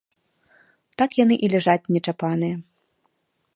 Так яны і ляжаць нечапаныя.